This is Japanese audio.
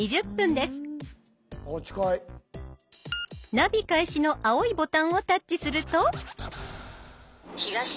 「ナビ開始」の青いボタンをタッチすると。